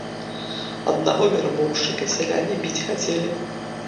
Аднаго вярбоўшчыка сяляне біць хацелі.